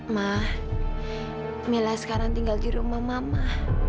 ma mila sekarang tinggal di rumah mama